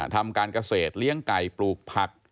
ทำการเกษตรเลี้ยงไก่ปลูกผัก